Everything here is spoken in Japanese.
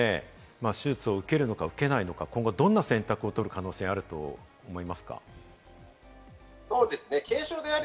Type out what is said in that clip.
大谷選手ですね、手術を受けるのか受けないのか、今後どんな選択をとる可能性があると思いまそうですね。